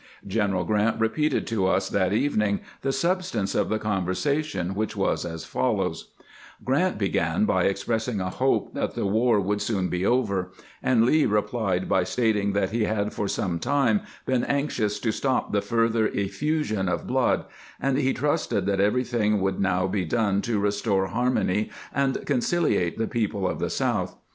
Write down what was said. Greneral Grant repeated to us that evening the substance of the conversation, which was as follows: Grant began by expressing a hope that the war would soon be over; and Lee replied by stating that he had for some time been anxious to stop the further effusion of blood, and he trusted that everything would now be done to restore harmony and conciliate the people of the South.